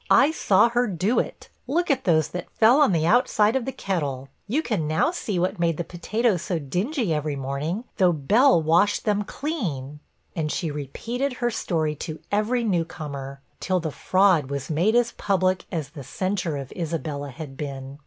I saw her do it! Look at those that fell on the outside of the kettle! You can now see what made the potatoes so dingy every morning, though Bell washed them clean!' And she repeated her story to every new comer, till the fraud was made as public as the censure of Isabella had been.